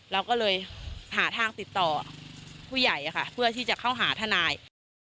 เราก็เลยหาทางติดต่อผู้ใหญ่ค่ะเพื่อที่จะเข้าหาทนาย